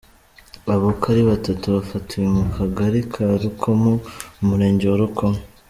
Aba uko ari batatu bafatiwe mu Kagari ka Rukomo, Umurenge wa Rukomo.